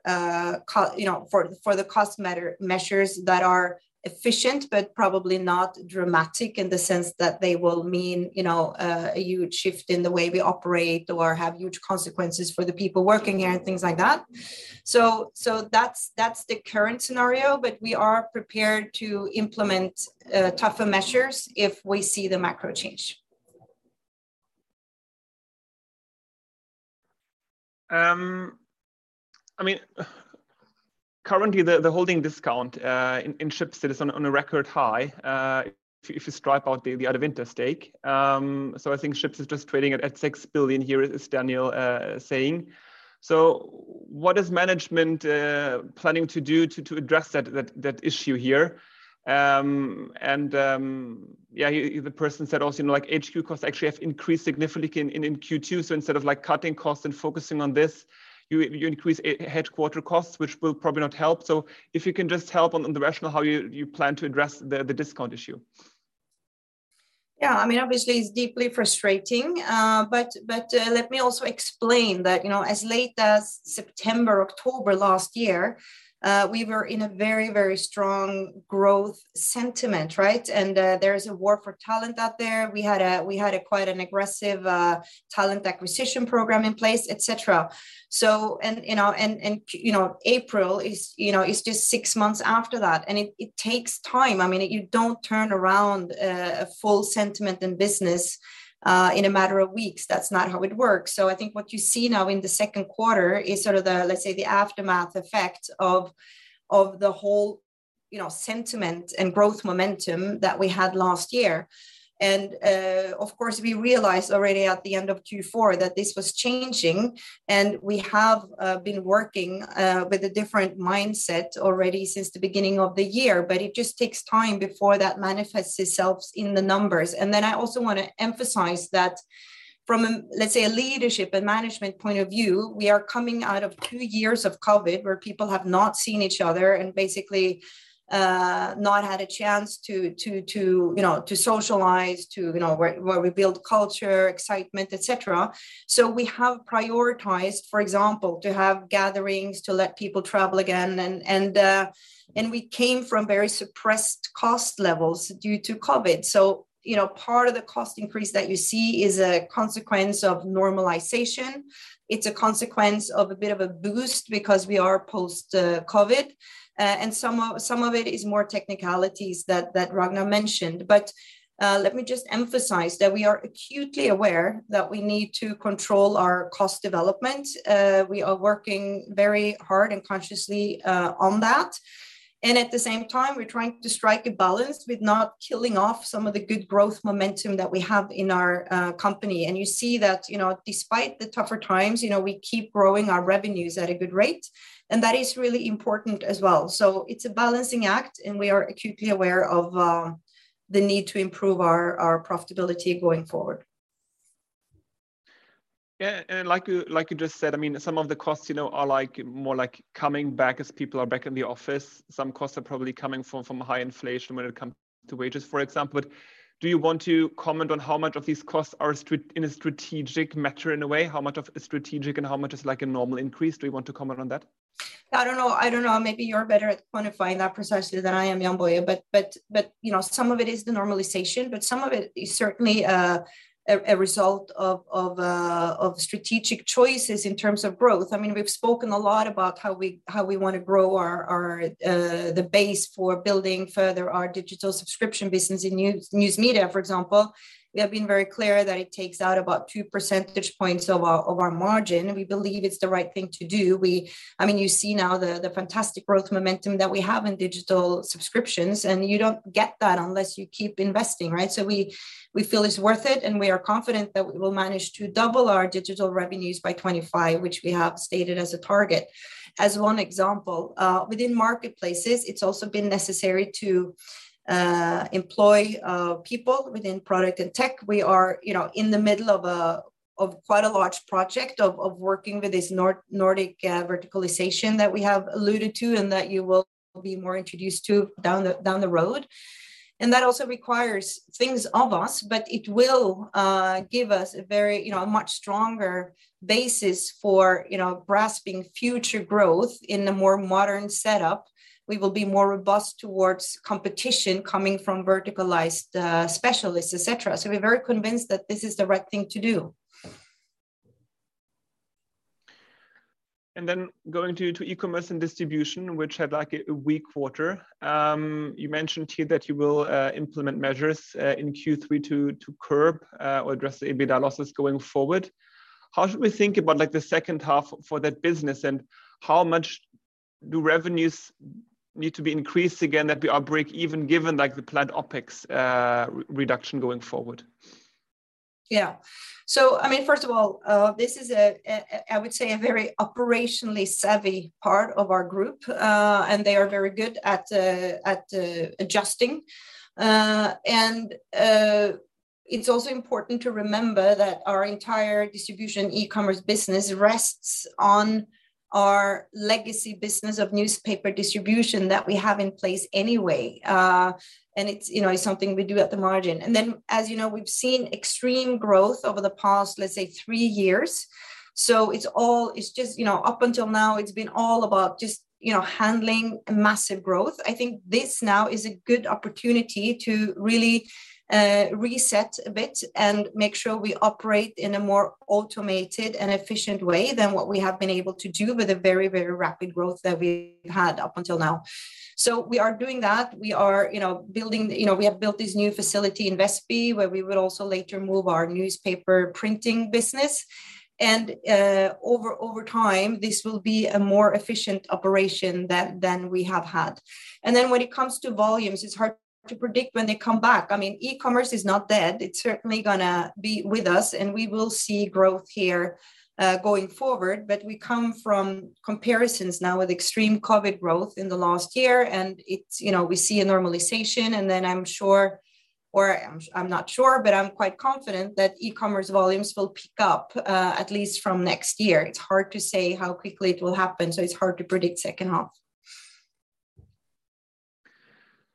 cost measures that are efficient, but probably not dramatic in the sense that they will mean, you know, a huge shift in the way we operate or have huge consequences for the people working here and things like that. That's the current scenario, but we are prepared to implement tougher measures if we see the macro change. I mean, currently the holding discount in Schibsted is on a record high, if you strip out the Adevinta stake. I think Schibsted's just trading at $6 billion here, as Daniel saying. What is management planning to do to address that issue here? The person said also, you know, like HQ costs actually have increased significantly in Q2, so instead of like cutting costs and focusing on this, you increase headquarters costs, which will probably not help. If you can just help on the rationale how you plan to address the discount issue. Yeah, I mean, obviously it's deeply frustrating. Let me also explain that, you know, as late as September, October last year, we were in a very strong growth sentiment, right? There is a war for talent out there. We had quite an aggressive talent acquisition program in place, et cetera. You know, April is just six months after that, and it takes time. I mean, you don't turn around a full sentiment in business in a matter of weeks. That's not how it works. I think what you see now in the second quarter is sort of the, let's say, aftermath effect of the whole, you know, sentiment and growth momentum that we had last year. Of course, we realized already at the end of Q4 that this was changing, and we have been working with a different mindset already since the beginning of the year. But it just takes time before that manifests itself in the numbers. I also wanna emphasize that from, let's say a leadership and management point of view, we are coming out of two years of COVID, where people have not seen each other and basically not had a chance to you know, to socialize, to you know, where we build culture, excitement, et cetera. We have prioritized, for example, to have gatherings, to let people travel again and we came from very suppressed cost levels due to COVID. You know, part of the cost increase that you see is a consequence of normalization. It's a consequence of a bit of a boost because we are post COVID. Some of it is more technicalities that Ragnar mentioned. Let me just emphasize that we are acutely aware that we need to control our cost development. We are working very hard and consciously on that. At the same time, we're trying to strike a balance with not killing off some of the good growth momentum that we have in our company. You see that, you know, despite the tougher times, you know, we keep growing our revenues at a good rate, and that is really important as well. It's a balancing act, and we are acutely aware of the need to improve our profitability going forward. Yeah, like you just said, I mean, some of the costs, you know, are like more like coming back as people are back in the office. Some costs are probably coming from high inflation when it comes to wages, for example. Do you want to comment on how much of these costs are in a strategic matter in a way? How much of strategic and how much is like a normal increase? Do you want to comment on that? I don't know, maybe you're better at quantifying that precisely than I am, Jann-Boje. You know, some of it is the normalization, but some of it is certainly a result of strategic choices in terms of growth. I mean, we've spoken a lot about how we wanna grow our the base for building further our digital subscription business in News Media, for example. We have been very clear that it takes out about two percentage points of our margin. We believe it's the right thing to do. I mean, you see now the fantastic growth momentum that we have in digital subscriptions, and you don't get that unless you keep investing, right? We feel it's worth it, and we are confident that we will manage to double our digital revenues by 2025, which we have stated as a target. As one example, within marketplaces, it's also been necessary to employ people within product and tech. We are in the middle of quite a large project of working with this Nordic verticalization that we have alluded to and that you will be more introduced to down the road. That also requires things of us, but it will give us a very much stronger basis for grasping future growth in a more modern setup. We will be more robust towards competition coming from verticalized specialists, et cetera. We're very convinced that this is the right thing to do. Going to Ecommerce & Distribution, which had like a weak quarter. You mentioned here that you will implement measures in Q3 to curb or address the EBITDA losses going forward. How should we think about like the second half for that business, and how much do revenues need to be increased again that we are break even given like the planned OpEx reduction going forward? Yeah. I mean, first of all, this is, I would say, a very operationally savvy part of our group. They are very good at adjusting. It's also important to remember that our entire distribution e-commerce business rests on our legacy business of newspaper distribution that we have in place anyway. It's, you know, it's something we do at the margin. As you know, we've seen extreme growth over the past, let's say, three years. It's just, you know, up until now, it's been all about just, you know, handling massive growth. I think this now is a good opportunity to really reset a bit and make sure we operate in a more automated and efficient way than what we have been able to do with the very, very rapid growth that we've had up until now. We are doing that. We are, you know, you know, we have built this new facility in Väsby, where we will also later move our newspaper printing business. Over time, this will be a more efficient operation than we have had. When it comes to volumes, it's hard to predict when they come back. I mean, e-commerce is not dead. It's certainly gonna be with us, and we will see growth here going forward. We come from comparisons now with extreme COVID growth in the last year, and it's, you know, we see a normalization, and then I'm not sure, but I'm quite confident that e-commerce volumes will pick up at least from next year. It's hard to say how quickly it will happen, so it's hard to predict second half.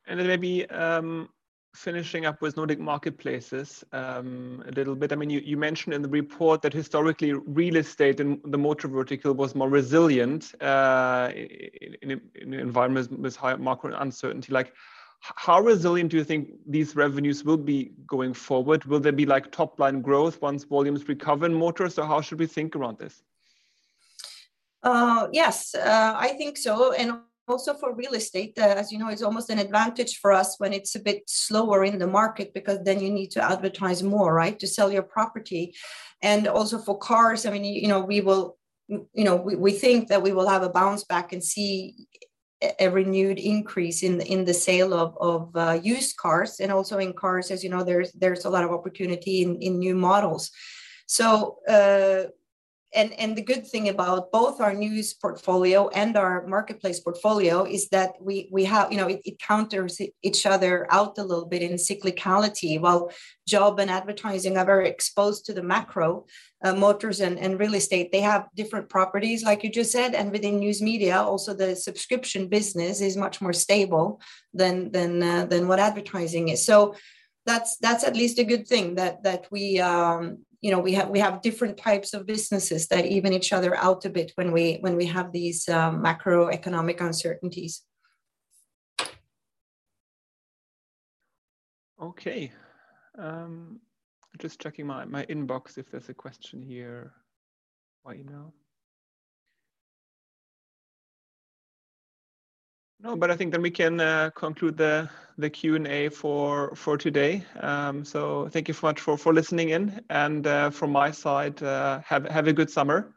Maybe finishing up with Nordic Marketplaces, a little bit. I mean, you mentioned in the report that historically real estate in the motor vertical was more resilient in an environment with high macro uncertainty. Like, how resilient do you think these revenues will be going forward? Will there be like top-line growth once volumes recover in motors, or how should we think around this? Yes, I think so. Also for real estate, as you know, it's almost an advantage for us when it's a bit slower in the market because then you need to advertise more, right? To sell your property. Also for cars, I mean, you know, we think that we will have a bounce back and see a renewed increase in the sale of used cars and also in cars. As you know, there's a lot of opportunity in new models. And the good thing about both our news portfolio and our marketplace portfolio is that we have you know, it counters each other out a little bit in cyclicality. While job and advertising are very exposed to the macro, motors and real estate, they have different properties like you just said. Within News Media, also the subscription business is much more stable than what advertising is. That's at least a good thing that we, you know, we have different types of businesses that even each other out a bit when we have these macroeconomic uncertainties. Okay. Just checking my inbox, if there's a question here by email. No, but I think then we can conclude the Q&A for today. Thank you so much for listening in, and from my side, have a good summer.